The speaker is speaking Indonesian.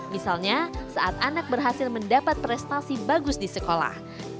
misalnya saat anak berhasil mendapat prestasi bagus di sekolah